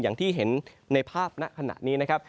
อย่างที่เห็นในภาพณขณะนี้นะครับ